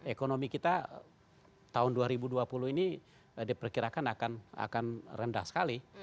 ekonomi kita tahun dua ribu dua puluh ini diperkirakan akan rendah sekali